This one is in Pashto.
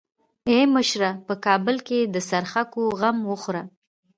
ای مشره په کابل کې د څرخکو غم وخوره.